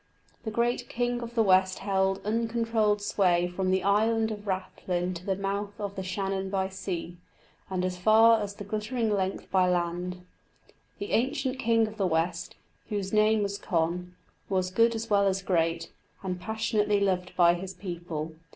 The great king of the west held uncontrolled sway from the island of Rathlin to the mouth of the Shannon by sea, and far as the glittering length by land. The ancient king of the west, whose name was Conn, was good as well as great, and passionately loved by his people.